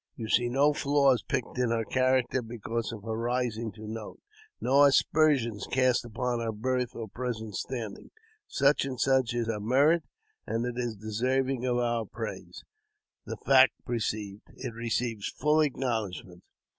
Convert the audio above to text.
You see no flaws picked in her character because of her rising to note ; no aspersions cast upon her birth or present standing. Such and such is her merit, and it is deserving of our praise ; the fact perceived, it receives full acknowledgment.